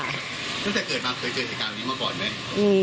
ตั้งแต่เกิดมาเคยเจอสถิกาวนี้เมื่อก่อนไหม